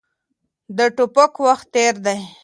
د ټوپک وخت تېر دی.